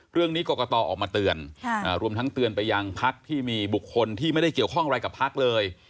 เรื่องนี้กรกตออกมาเตือนรวมทั้งเตือนไปยังพักที่มีบุคคลที่ไม่ได้เกี่ยวข้องอะไรกับพักเลย